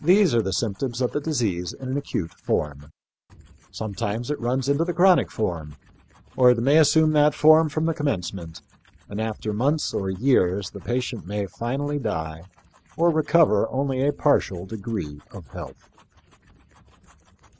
These are the symptoms of the disease in an acute form. Sometimes it runs into the chronic form, or it may assume that form from the commencement, and after months or years the patient may finally die or recover only a partial degree of health."